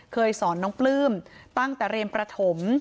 เคยสอนน้องปลื้มตั้งแต่เรียนประถม